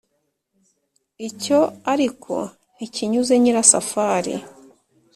icyo ariko ntikinyuze nyirasafari.